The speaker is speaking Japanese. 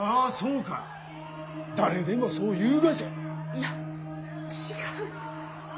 いや違うって。